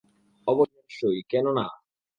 অবশ্যই, কেন না?